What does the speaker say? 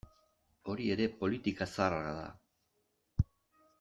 Hori ere politika zaharra da.